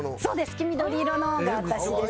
黄緑色のが私です。